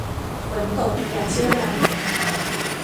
ฝนตกอย่าเชื่อดาว